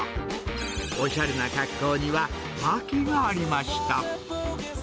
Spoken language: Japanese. おしゃれな格好には訳がありました。